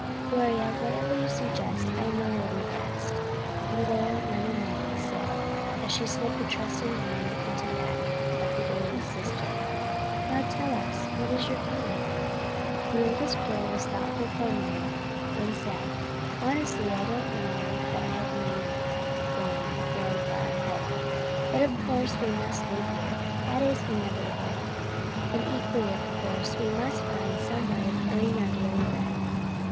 "Gloria, whatever you suggest, I know will be best," little Lena May said, as she slipped a trusting hand into that of the oldest sister. "Now, tell us, what is your plan?" The oldest girl was thoughtful for a moment, then said: "Honestly, I don't know that I have made one very far ahead, but of course we must leave here. That is the inevitable, and, equally of course, we must find some way of earning our daily bread."